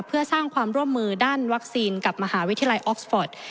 เพื่อสร้างความร่วมมือด้านวัคซีนกับมหาวิทยาลัยออกสฟอร์ต